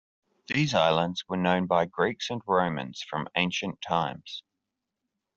These islands were known by Greeks and Romans from ancient times.